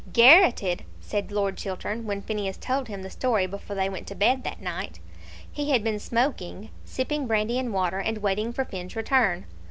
"Garrotted!" said Lord Chiltern, when Phineas told him the story before they went to bed that night. He had been smoking, sipping brandy and water, and waiting for Finn's return.